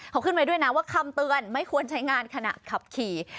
เขาขึ้นไว้ด้วยนะว่าคำเตือนไม่ควรใช้งานขณะขับขี่